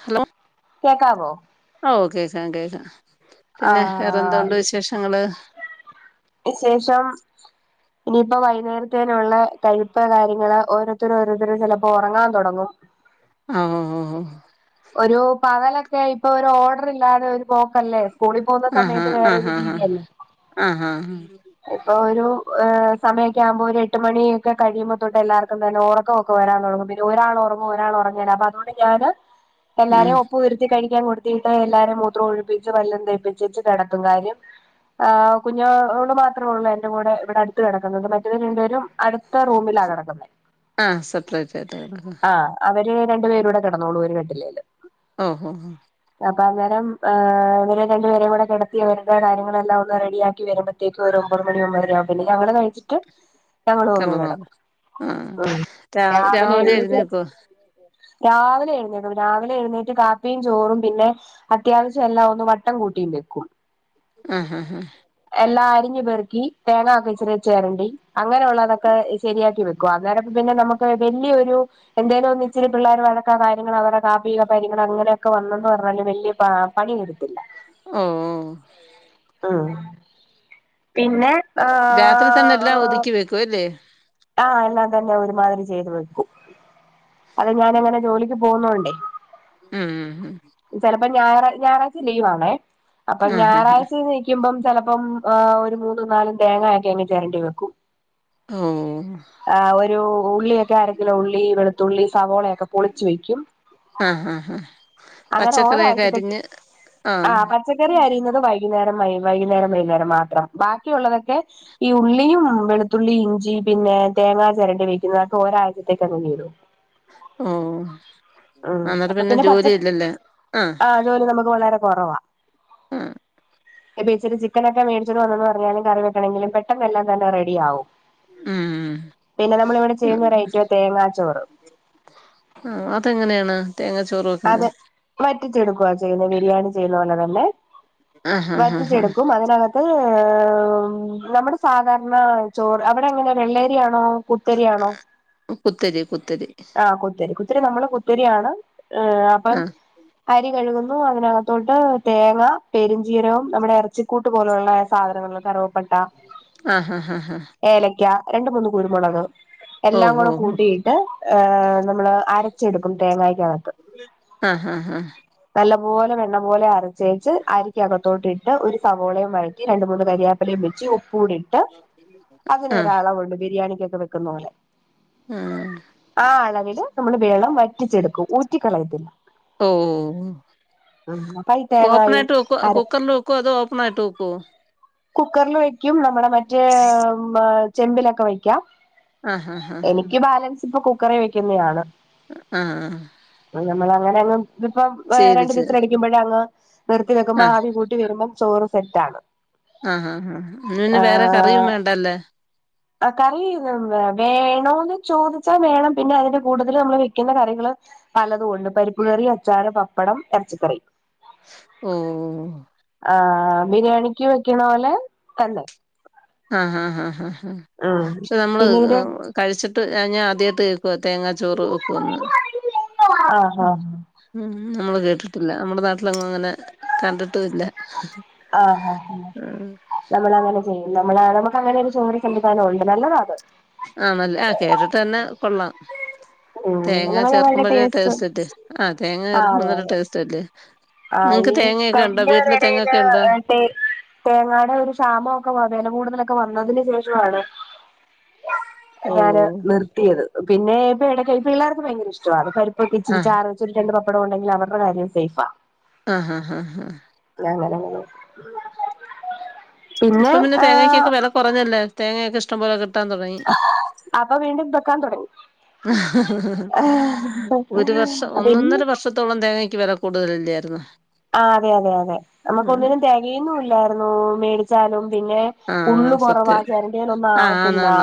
Hello കേക്കാവോ? ഓ കേക്കാം കേക്കാം പിന്നെ വേറെഎന്തു ണ്ട് ആഹ് വിശേഷങ്ങള് വിശേഷം ഇനിയിപ്പോ വൈകുന്നേരത്തേനള്ള കഴുപ്പ് കാര്യങ്ങള് ഓരോരുത്തര ഓരോരുത്തരും ചിലപ്പോ ഉറങ്ങാൻ തുടങ്ങും ഉം ഒരു പകലൊക്കെ ഇപ്പൊ ഒരു ഓർഡർ ഇല്ലാതെ ഒരു പോക്കല്ലേ സ്കൂളിൽ പോകുന്ന ആഹാ സമയത്ത് വേറൊരു ആഹാ ഹാ രീതിയല്ലേ ആഹാ ഇപ്പൊ ഒരുഹ സമയൊക്ക ആകുമ്പോൾ ഒരു എട്ട് മണിയൊക്കെ കഴിയുമ്പോ തോട്ട് എല്ലാർക്കും തന്നെ ഓർ ഉറക്കം വരാൻ തുടങ്ങും പിന്നെ ഒരാൾ ഉറങ്ങും ഒരാൾ ഉറങ്ങില്ല അതുകൊണ്ട് ഞാന് ഉം എല്ലാരെയ ഒപ്പ വരുത്തി കഴിക്കാൻ കൊടുത്തിട്ട് എല്ലാരും മൂത്രം ഒഴിപ്പിച്ച് പല്ലും തേപ്പി ച്ച കിടതും കാര്യം ആ് കുഞ്ഞോട് മാത്രമുള്ളൂ എന്റെറെ കൂടെ ഇവിടെ അടുത്ത കിടക്കുന്നത് മറ്റൊരു രണ്ട് പേരും അടുത്ത റൂമിലാ കെട ടക്കുന്നത് ആ സെപ്പറേറ്റ് ആയിട്ട് കിടക്കാ ആഹ അവര് രണ്ടു പേരൂ കെട ടന്നോളൂ ഒരു കട്ടിലെ ഉം ഉം അപ്പൊ അന്നേരം ആ നേരെ രണ്ടുപേര കൂടെ കിടത്തി വരമ്പോ കാര്യങ്ങളെല്ലാം ഒന്ന് റെഡിയാക്കി വരുമ്പ ഇനിക്ക് ഒമ്പത് മണി ഒമ്പര ആവും പിന്ന ഞങ്ങള് കഴിച്ചു ന്നിട്ട് ഞങ്ങൾ വന്ന് കിടന്നോളൂ കിടക്കും ആ രാ രാവിലെ എഴുന്നേൽക്ക എഴുന്നേക്കോ രാവിലെഎഴുന്നേറ്റു പോയി രാവിലെ എഴുന്നേറ്റ് കാപ്പിയും ചോറും പിന്നെ അത്യാവശ്യം എല്ലാം ഒന്ന് വട്ടം കൂട്ടി വെക്കും ഉം ഉം ഉം എല്ലാ അരിഞ്ഞഞ് പെറിക്കി തേങ്ങ ഒക്കെ ഇച്ചിരി ചേരണ്ടി അങ്ങനെള്ളതൊക്കെ ശരിയാക്കി വെക്കും അനേരം പിന്നെ നമുക്ക് വലിയൊരു എന്തേനോ ഒ ഇച്ചിരി പിള്ളേർ വഴക്കാ കാര്യങ്ങൾ അവ മീക പരിഗണ അങ്ങനൊക്കെ വന്നെന്ന് പറഞ്ഞാലും വലിയ പണിയെടുപ്പില്ല ഉം ആ പിന്നെ രാത്രി തന്നെ എല്ലാം ഒതുക്കി വെക്കും അല്ലേ ആ എല്ലാം തന്നെ ഒരുമാതിരി ചെയ്ത് വെക്കും അത് ഞാന എങ്ങനെ ഉം ജോലിക്ക് പോകുന്നുണ്ടേ ഉം ചിലപ്പോ ഞായറാ ഞായറാഴ്ച ലീവ ആണേ അപ്പൊ ഉം ആഹാ ഹാ ഞായറാഴ്ച നൽക്കുമ്പം ചിലപ്പം് ഒരു മൂന്നും നാലും തേങ്ങയൊക്കെ അങ്ങെ ചിരണ്ടി വെക്കും ഓ ആ ഒരു ഉള്ളിയൊക്കെ അരകിലോ ഉള്ളി വെളുത്തുള്ളി സവോളയൊക്കെ പൊളിച്ചു വെക്കും ആഹാ ഹാ അങ്ങനെ പച്ചക്കറിയൊക്കെ ഒരാഴ്ചത്തേക്ക് അരിഞ്ഞ് ആ പച്ചക്കറി അരിയുന്നത് വൈകുന്നേരം വൈകുന്നേരം വൈകുന്നേരം മാത്രം ബാക്കിയ ഉള്ളതൊക്കെ ഈ ഉള്ളിയും വെളുത്തുള്ളി ഇഞ്ചിയും പിന്നെ തേങ്ങാ ചിരണ്ടി വെയ്ക്കുന്നത് അതൊക്കെ ഒരാഴ്ചത്തേക്കങ്ങ് തീരോ. ഓഹ് അന്നേരം അപ്പൊ പിന്നെ പച്ച ജോലില്ലല്ലേ ആഹ്. ജോലി നമുക്ക് വളരെ ഇപ്പ ഇച്ചരി ചിക്കനൊക്കെ മേടിച്ചോണ്ട് വന്നെന്ന് പറഞ്ഞാലും കറി വെക്കണെങ്കിലും പെട്ടെന്ന് എല്ലാം തന്നെ റെഡിയാവും. ഉം ഉം പിന്നെ നമ്മൾ ഇവടെ ചെയ്യുന്നൊരയ്റ്റവാ തേങ്ങാ ചോറ്. ആഹ് അതെങ്ങനെയാണ് തേങ്ങാ ചോറ് വെക്കുന്നെ? വറ്റിച്ചെടുക്കുവാ ചെയ്യുന്നത് ബിരിയാണി ചെയ്യുന്ന പോലെ തന്നെ, ആ ഹാ ഹാ ഹാ വറ്റിച്ചെടുക്കും അതിനക ത്ത് നമ്മുടെ സാധാരണ ചോറ് അവിടെ എങ്ങനെ വെള്ളേരിയാണോ കുത്തരിയാണോ? കുത്തരിയ കുത്തരി. ആഹ് കുത്തരി കുത്തിരി നമ്മള് കുത്തരിയാണ് ഏഹ് അപ്പം ആ അരി കഴുകുന്നു അതിനകത്തോട്ട് തേങ്ങ പെരുഞ്ചീരവം നമ്മുടെ ഇറച്ചിക്കൂട്ട് പോലുള്ള സാധനങ്ങള് ള്ളെ കറുവ ആഹ ഹാ ഹാ ഏലയ്ക്ക രണ്ട് മൂന്ന് കുരുമുളക് ഓ എല്ലാം ഓ കൂടെ ഓ കൂട്ടിയിട്ട്, ഏഹ് നമ്മള് അരച്ചെടുക്കും തേങ്ങായ്ക്കകത്ത്. ആ ഹാ ഹാ നല്ല പോലെ വെണ്ണ പോലെ അരച്ചേച്ച് അരിക്കക ത്തോട്ടിട്ട് ഒരു സവോളയും വഴറ്റി രണ്ടു മൂന്ന് കരിയാപ്പെലയും വെച്ച് ഉപ്പൂടി ട്ട് ആ അതിനൊരളവ്ണ്ട് ബിരിയാണിക്കൊക്കെ വെക്കുന്ന പോലെ. ഉം. ആ അളവിൽ നമ്മള് വെള്ളം വറ്റിച്ചെടുക്കും. ഊറ്റിക്കളയത്തില്ല. ഓഓഓഓഹ്. ഉം അപ്പൊ ഈ തേങ്ങായും ഓപ്പണായിട്ട് വെക്കോ അര കുക്കറ്‌ല് വെ ക്കോ അതോ ഓപ്പണായിട്ട് വെക്ക്വോ? കുക്കർല് വെക്ക്യും. നമ്മുടെ മറ്റേ ചെമ്പിലൊക്കെ വെക്ക്യാം. ആ ഹാ ഹാ ഹാ എനിക്ക് ബാലൻസ് ഇപ്പ കുക്കറേ വെക്കുന്നെയാണ്. ആഹ്ആഹ്. നമ്മളങ്ങനങ്ങ് ഇതിപ്പം ഏഹ് ശരി രണ്ടു ശരി വിസില് അടിക്ക്യുമ്പഴങ്ങ് നിർത്തി വെക്കുമ്പോ ആ ആവി കൂ ട്ടി വരുമ്പം ചോറ് സെറ്റാണ്. ആ ഹാ ഹാ ഹ ആഹ് ആഹ് കറി വേണോന്ന് ചോദിച്ചാ വേണം. പിന്നെ അതിന്റെ കൂട്ടത്തിൽ നമ്മള് വെക്കുന്ന കറികള് പലതു ഉണ്ട്. പരിപ്പ് കറി, അച്ചാറ്, പപ്പടം, എറച്ചിക്കറി, ഓഹ് ആഹ് ബിരിയാണിക്ക് വെക്ക്യ്ണ പോലെ തന്നെ. ആഹ് ഹാ ഹാ ഹാ ഉം പക്ഷേ നമ്മള് പിന്നീട് കഴിച്ചിട്ട് ഞാ ഞാൻ ആദ്യായിട്ട് കേക്കുവാ തേങ്ങാ ചോറ് വെക്കുംന്ന്. ആഹ് ഉം. ആഹ് ഉം. നമ്മള് കേട്ടിട്ടില്ല നമ്മുടെ നാട്ടിലെങ്ങും അങ്ങനെ കണ്ടിട്ടു ഇല്ല. ആ ഹാ ഹാ. നമ്മളങ്ങനെ ചെയ്യും. നമ്മളങ്ങനെ നമുക്ക് അങ്ങനെ ഒരു [unintelligible] സംവിധാനം ഉണ്ട് നല്ലതാ അത്. ആണല്ലെ ആഹ് കേട്ടിട്ട് തന്നെ കൊള്ളാം. ഉം തേങ്ങ എന്നാ നല്ല ചേർക്കുമ്പഴേ ടേസ്റ്റ് ടേസ്റ്റല്ലേ. ആഹ് തേങ്ങ ആഹ് ചേർക്കുമ്പം അതെ നല്ല അതെ ടേസ്റ്റല്ലേ. ആഹ് ഈ കഴിഞ്ഞ ഒരു എടയില് ഉണ്ടോ തേ തേങ്ങായുടെ ഒരു ക്ഷാമ ഒക്കെ വ വെല കൂടുതലൊക്കെ വന്നതിന് ശേഷവാണ് ഞാന് ഓഹ് നിർത്തിയത്. പിന്നെ ഇപ്പ ഇടക്ക് ഇപ്പ പിള്ളേർക്ക് ഭയങ്കര ഇഷ്ടവാ. അപ്പ പരിപ്പൊക്കെ ഇച്ചിരി ആഹ് ചാറ് രണ്ട് പപ്പടം ഉണ്ടെങ്കി അവര്ടെ കാര്യം സെയ്ഫാ. ആഹ ഹാ ഹാ ഹാ അങ്ങനങ്ങനെ പിന്നെ ആ കൊറഞ്ഞല്ലെ. തേങ്ങെക്കെ ഇഷ്ടം പോലെ കിട്ടാൻ തുടങ്ങി. അപ്പം വീണ്ടും വെക്കാൻ തുടങ്ങി. ഒരു വർഷം ഒന്നൊന്നര പിന്നെ വർഷത്തോളം തേങ്ങയ്ക്ക് വില കൂടുതലെല്യാര്ന്നോ? ആ അതെ. അതെ അതെ. നമുക്ക് ഒന്നിനും തെകയുന്നു ഇല്ലായിരുന്നു മേടിച്ചാലും. പിന്നെ ആഹ് ഉള്ള് കൊറവാ. സത്യം ചെരണ്ടിയാലൊന്നും ആവത്തില്ല-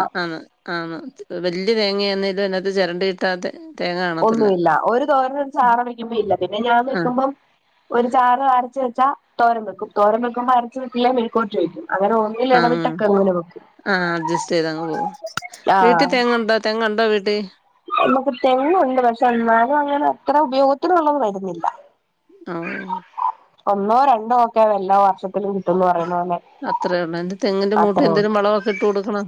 ആണ്. വല്യ തേങ്ങയാന്നേലും അകത്ത് ചെരണ്ടി ഇട്ടാതെ ഒന്നു ഇല്ല. ഒരു തോരനും ഒരു ചാറും വെക്കുമ്പൊ ഇല്ല. പിന്നെ ഞാൻ ആഹ് വെക്കുമ്പം ഒരു ചാറ് അരച്ച് വെച്ചാ തോരൻ വെക്കും. തോരൻ വെക്കുമ്പ അരച്ച് വെച്ചില്ലേ മെഴുക്കുപുരട്ടി വയ്ക്കും. അങ്ങനെ ഒന്നിൽ എടവിട്ടൊക്കെ അങ്ങനെ വെക്കും. ആ അഡ്ജസ്റ്റ് ചെയ്ത് അങ്ങ് പോകും. ആഹ് വീട്ടിൽ തേങ്ങണ്ടോ തെങ്ങുണ്ടോ വീട്ടി? നമുക്ക് തെങ്ങുണ്ട്. പക്ഷെ എന്നാലും അങ്ങനെ അത്ര ഉപയോഗത്തിനുള്ളത് വരുന്നില്ല. ആഹ് ഒന്നോ രണ്ടോ ഒക്കെ എല്ലാ വർഷത്തിലും കിട്ടുംന്ന് പറയുന്ന പോലെ. അത്ര ഒള്ളു. എന്റെ തെങ്ങിന്റെ അത്രേ ഉള്ളൂ മൂട്ടിഎന്തെലും വളമൊക്കെ ഇട്ട് കൊടുക്കണം.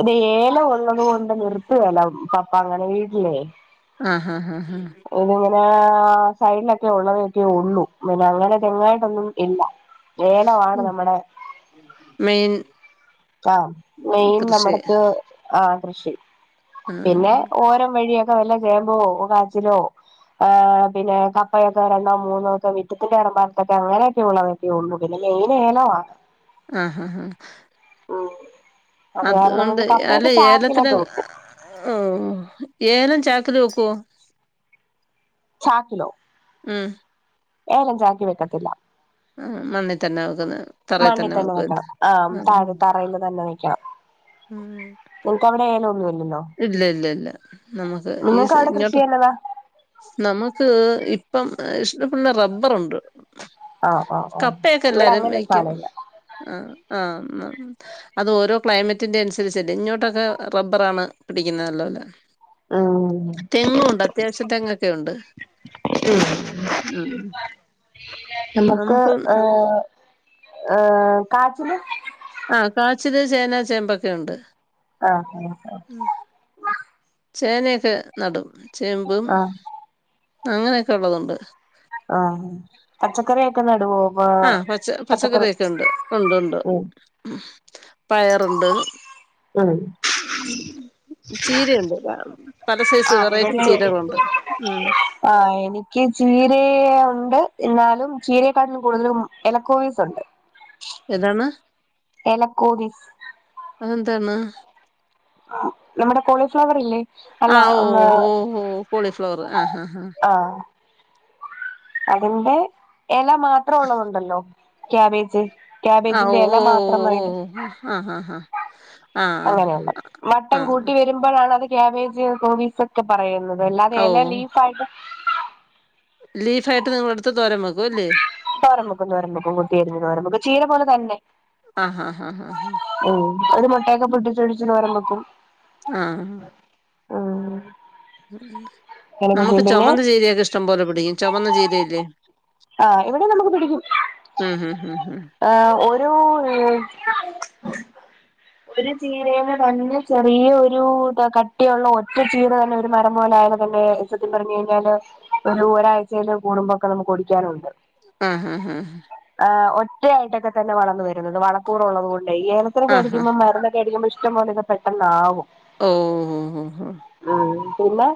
ഇത് ഏല ഉള്ളത് കൊണ്ട് നിർത്തുകയില്ല. പപ്പ അങ്ങനെ വീട്ടിലേ ആ ഹാ ഹാ ഹാ ഇതിങ്ങനെ സൈഡിലൊക്കെ ഉള്ളതൊക്കെ ഉള്ളൂ. പിന്നെ അങ്ങനെ തെങ്ങായിട്ടൊന്നും ഇല്ല. ഏലവാണ് ആഹ് നമ്മുടെ മെയിൻ ആഹ് മെയിൻ കൃഷി ഞമ്മട്ക്ക് ആ കൃഷി. പിന്നെ ആഹ് ഓരം വഴിയൊക്കെ ക്ക വല്ല കേമ്പോ കാച്ചിലോ ആഹ് പിന്നെ [unintelligible] മൂന്നോ സം മിറ്റത്തിന്റെ റമ്പറത്തൊക്കെ അങ്ങനെയൊക്കെയ ഉള്ളത്. [unintelligible] ഇ ങ്ങെനേനോ. ആഹ് ആ ആഹ് ഉം അത് കാരണം [unintelligible] കപ്പ ഒക്കെ ചാക്കില തൂക്കും ഏഹ്. ഏലം ചാക്കില് വെക്കോ? ചാക്കിലോ. ഉം ഏലം ചാക്കി വെക്കത്തില്ല. മണ്ണി തന്നെ വെക്കുന്നത്. മണ്ണി തന്നെ വെക്കണം. ആ താഴ് തറയിൽ തന്നെ വെക്കണം. ഉം നിങ്ങക്ക് അവിടെ ഏലൊന്നും ഇല്ലല്ലോ ഇല്ല ഇല്ല ഇല്ല നമ്മുക്ക് ഈ നിങ്ങൾക്ക് അവിടെ കൃഷി ഇങ്ങോട്ട് ചെയ്യുന്നതാ നമുക്ക് ഇപ്പം ഇഷ്ടപ്പ്ള്ള റബ്ബറുണ്ട്. ആഹ് ആഹ് ആഹ് കപ്പയൊക്കെ ഇവിടെ എല്ലാരും അങ്ങനെ ഒരു വെയ്ക്കും. സാധനം ഇല്ല ആഹ്. ആ അത് ഓരോ ക്ലൈമറ്റ്. ത്തിന്റെ അനുസരിച്ചല്ലെ. ഇങ്ങോട്ടൊക്കെ റബ്ബറാണ് പിടിക്കുന്നത് അല്ലോലെ. ഉം തെങ്ങും ഉണ്ട്. അത്യാവശ്യം തെങ്ങൊക്കെ ഉണ്ട്. ഉം. നമുക്ക് ഏഹ് ഏഹ് കാറ്റില് ആഹ് കാച്ചില് ചേന ചേമ്പൊക്കെ ഉണ്ട്. ആഹ് ആഹ് ആഹ് ഉം. ചേനയൊക്കെ നടും ചേമ്പും ആഹ് അങ്ങനെയൊക്കെ ഉള്ളതുണ്ട്. ആഹ് പച്ചക്കറിയൊക്കെ നടുവോ? ഇപ്പൊ ആഹ് പച്ച പച്ചക്കറി പച്ചക്കറിയൊക്കെ ഉണ്ട് ഉണ്ട് ഉണ്ട് ഉം പയറുണ്ട്. ഉം ഉം ഉം ചീരയുണ്ട് പല സൈസ് വെറൈറ്റി ചീരയുണ്ട് ഉം ആ എനിക്ക് ചീര ഉണ്ട് എന്നാലും ചീരയെക്കാട്ടും കൂടുതലും എലക്കോവീസ് ഉണ്ട് ഏതാണ് എലക്കോവീസ് അതെന്താണ്? ആ നമ്മുടെ കോളിഫ്ലവർ ഇല്ലേ? അല്ല ആ ഓ ഓ ഓ കോളി ഫ്ലവർ ആഹ് ആഹ് ആ [inaudible] അതിന്റെ ഇല മാത്രം ഉള്ളതുണ്ടല്ലോ ക്യാബേജ് ക്യാബേജിന്റെ ഇല മാത്രമായിട്ട് ആ ഹാ ഹാ അങ്ങനെയുള്ള ആഹ് മട്ടം ആഹ് കൂട്ടി വരുമ്പോ വരുമ്പോഴാണ് അത് ക്യാബേജ് കോസ് ഒക്കെ പറയുന്നത് അല്ലാതെ എല ലീഫ് ആയിട്ട് ലീഫ് ആയിട്ട് നിങ്ങള് എടുത്ത് തോരൻ വെക്കും അല്ലേ തോരൻ വെക്കും തോരൻ വെക്കും കൊത്തി അരിഞ്ഞു തോരൻ വെക്കും ചീര പോലെ തന്നെ ആഹ് ആഹ് ആഹ് ഉം ഒരു മുട്ടയൊക്കെ പൊട്ടിച്ചൊഴിച്ച് തോരൻ വെക്കും. ആഹ് ഉം ഉം അങ്ങനൊക്കെ നമുക്ക് ചെയ്യും പിന്നെ ചുമന്ന ചീരയൊക്കെ ഇഷ്ടം പോലെ പിടിക്കും ചുമന്ന ചീരല്ലേ ആ ഇവിടെ നമുക്ക് പിടിക്കും. ഉം ഉം ഉം ഉം ആ ഒരും ഉം ഒരു ചീരനെ തന്നെ ചെറിയ ഒരു കട്ടിയുള്ള ഒറ്റ ചീര തന്നെ ഒരു മരം പോലെയത് തന്നെ സത്യം പറഞ്ഞ കഴിഞ്ഞാല് ഒരു ഒരാഴ്ച കൂടുമ്പോക്കെ നമുക്ക് ഒടിക്കാനുണ്ട് ആഹ് ആഹ് ഹ് ഒറ്റയായിട്ടൊക്കെ തന്നെ വളർന്നു വരും ത് വളക്കൂറുള്ളള്ളത കൊണ്ട് ഏലത്തിനെ ആഹ് ആഹ് കടിക്കുമ്പോ മരുന്ന് അടിക്കുമ്പോ ഇഷ്ടപോലെത് പെട്ടന്നാവും ഓ മ്മ്ഹ് പിന്നേ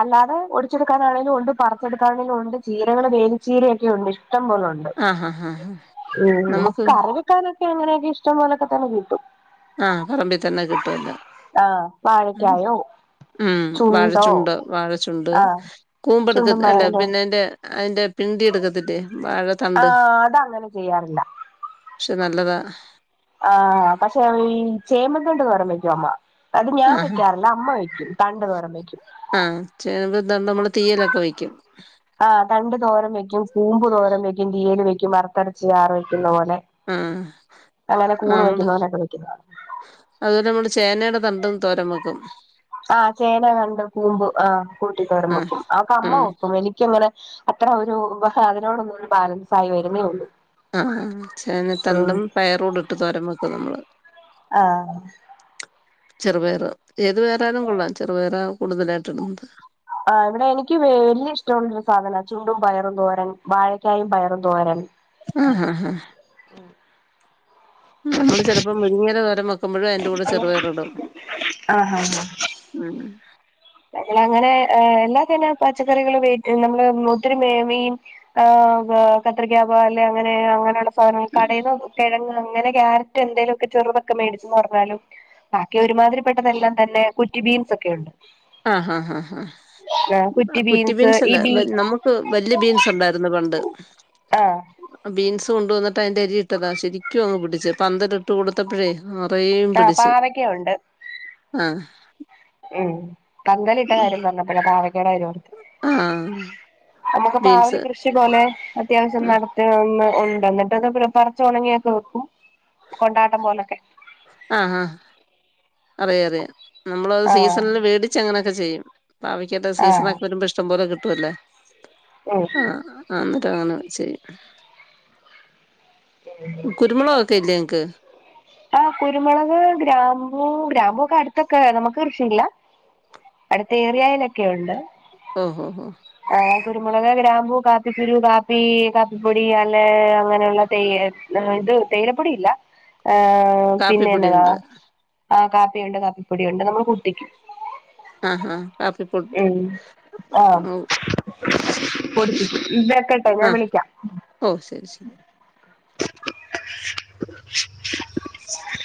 അല്ലാതെ ഒടിച്ചെടുക്കാനാണെങ്കിലും ഉണ്ട് പറിച്ചടുക്കാണെങ്കിലും ഉണ്ട് ചീരകൾ വേ ചീരൊക്കെ ഉണ്ട് ഇഷ്ടംപോലുണ്ട് ആഹ് ആഹ് ആഹ് നമുക്ക് കറി വേക്കാനൊക്കെങ്ങെയൊക്കെ ഇഷ്ടം പോലൊക്കെ തന്നെ കിട്ടും ആഹ പറമ്പിൽ തന്നെ കിട്ടുവല്ലോ അഹ് ഉം വാഴക്കായോ ഉം ചുണ്ടോ വാഴച്ചുണ്ട് വാഴച്ചുണ്ട് ആഹ് കൂമ്പ്ടുക്ക ചുണ്ടും അല്ലെ പയറും തോരൻ പിന്നെ അയ്ന്റെ അയ്ന്റെ പിണ്ടി എടുക്കത്തില്ലേ വാഴ തണ്ട് ആഹ് അത് അങ്ങനെ ചെയ്യാറില്ല പക്ഷെ നല്ലതാ ആഹ പക്ഷെ ഈ ചേമ്പ്തണ്ട് തോരൻ വെക്കും അമ്മ അത് ഞാൻ ആഹ് വെക്കാറില്ല അമ്മ വയ്ക്കും തണ്ട തോരൻ വെക്കും ആഹ് ചെമ്പ് ന്തണ്ട് നമ്മള് തീയലൊക്കെ വയ്ക്കും ആ തണ്ട് തോരം വെക്കും കൂമ്പ് തോരം വെക്കും തീയൽ വെക്കും വറുത്തരച്ച് ചാറ് വെക്കുന്ന പോലെ ആഹ് അങ്ങനെ ആഹ് കൂണ് നമ്മള് വയ്ക്കുന്ന പോലൊക്കെ വെക്കും അതുപോലെ നമ്മള് ചേനയുടെ തണ്ടും തോരം വെക്കും ആഹ് ചേന തണ്ട് കൂമ്പ് ആഹ് കൂട്ടി തോരം ആഹ് വെക്കും അതൊക്കെ അമ്മ ഉം വെക്കും എനിക്കങ്ങനെ അത്ര ഒരു ഉപ അതിനോടൊന് ഒരു ബാലൻസ് ആയി വരുന്നേ ഒള്ളൂ ആഹ് ചേനത്തണ്ടും പയറൂടെ ഇട്ട് തോരൻ വെക്കും നമ്മള് ആഹ് ചെറുപയർ ഏത് പയറയാലും കൊള്ളാം ചെറുപയറാ കൂടുതലായിട്ട് ഇടുന്നത് ആഹ് ഇവിടെ എനിക്ക് വലിയ ഇഷ്ടമുള്ളൊരു സാധന ചുണ്ടും പയറും തോരൻ വാഴക്കായും പയറും തോരൻ ആഹ് നമ്മള് ചെലപ്പോ മുരിങ്ങിയല തോരം വെക്കുമ്പഴും അതിന്റെ കൂടെ ചെറുപയറിടും ആഹ് ആഹ് ഉം ഞങ്ങളങ്ങനെ എല്ലാ തന പച്ചക്കറികള് ഉപയോഗിക്കും നമ്മള് ഒത്തിരി മേങ്ങിം ഏഹ് കത്രികാ പോലെ അങ്ങനെ അങ്ങനെയുള്ള സാധനം കടേന്ന് കിഴങ്ങ് അങ്ങനെ ക്യാരറ്റ് എന്തേലൊക്കെ ചെറുതൊക്കെ മേടിച്ച്ന്ന് പറഞ്ഞാലും ബാക്കി ഒരുമാതിരിപ്പെട്ടതെല്ലാം തന്നെ കുറ്റി ബീൻസ് ഒക്കെയുണ്ട് ആഹ് ആഹ് ആഹ് ഇപ്പ കുറ്റി ബീൻസ് അല്ല നമുക്ക് വല്യ ബീൻസ് ഉണ്ടായിരുന്നു പണ്ട് ആഹ് ബീൻസ് കൊണ്ട് വന്നിട്ട് അതിന്റെ അരി ഇട്ടതാ ശരിക്കും അങ്ങ് പിടിച്ച പന്തലിട്ട് കൊടുത്തപ്പഴേ നറെയേം ആഹ് പിടിച് പാവയ്ക്കയുണ്ട് ആഹ് ഉം പന്തലിട്ട കാര്യം പറഞ്ഞപ്പയാ പാവക്കേട കാര്യം ഓർത്തേ ആഹ് നമുക്ക് പാവല് ബീൻസ് കൃഷി പോലെ അത്യാവശ്യം ആഹ് നട ഏഹ് ഉണ്ട് എന്നിട്ടത് പറച്ച് ഉണങ്ങിയൊക്കെ വെക്കും കൊണ്ടാട്ടം പോലൊക്കെ ആഹ് ആഹ് അറിയാം അറിയാം നമ്മള് അത് ആഹ് സീസണില് മേടിച്ച് അങ്ങനെയൊക്കെ ചെയ്യും പാവക്കേടെ ആഹ് സീസണൊക്കെ വരുമ്പോ ഇഷ്ടം പോലെ കിട്ടുവല്ലേ ഉം ആഹ് ആഹ് ആഹ് ഇന്ന്ട്ട് അങ്ങനെ ചെയ്യും കുരുമുളകൊക്കെ ഇല്ലേ ഇങ്ങക്ക് ആഹ് കുരുമുളക് ഗ്രാമ്പു ഗ്രാമ്പു ഒക്കെ അടുത്തൊക്കെ നമുക്ക് കൃഷിയില്ല അടുത്ത ഏറിയായിലൊക്കെയുണ്ട് ഓഹ് ഹോ ഹോ ആഹ് കുരുമുളക് ഗ്രാമ്പു കാപ്പി കുരു കാപ്പി കാപ്പിപ്പൊടി അല്ലെ അങ്ങനെയുള്ളൊ തേയെ ഇത് തേയിലപ്പൊടിയില്ല ഏഹ് പിന്നെ എന്നതാ കാപ്പിപ്പൊടിയുണ്ട് ആഹ് കാപ്പിയുണ്ട് കാപ്പിപ്പൊടിയുണ്ട് നമ്മള് കുട്ടിക്കും ആഹ് ഹാ കാപ്പി പുട്ട് ഉം ഉം വെക്കട്ടെ ഞാൻ ആഹ് വിളിക്കാം. ഓഹ് ശരി ശരി. ഉ